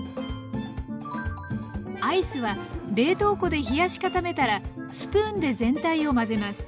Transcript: アイスは冷凍庫で冷やし固めたらスプーンで全体を混ぜます。